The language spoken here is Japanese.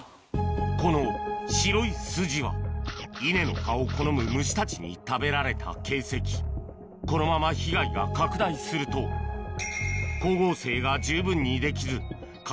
この白い筋は稲の葉を好む虫たちに食べられた形跡このまま被害が拡大するとそのこれだ。